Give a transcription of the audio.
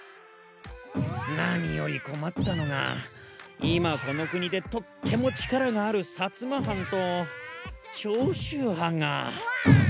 なによりこまったのがいまこのくにでとってもちからがある薩摩藩と長州藩が。